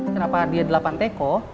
kenapa dia delapan teko